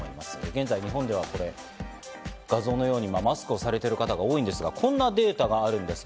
現在、日本では画像のようにマスクをされている方が多いんですが、こんなデータがあるんです。